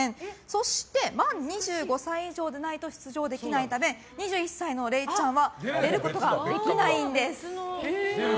そして、満２５歳以上でないと出場できないため２１歳のれいちゃんは出ることができないんです。